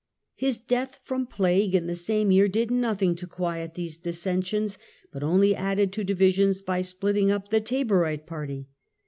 His death from plague in the same year did nothing to quiet these dis sensions, but only added to divisions by splitting up the Taborite party.